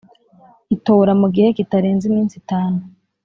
Itora mu gihe kitarenze iminsi itanu